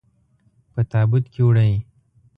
په تابوت کې وړئ.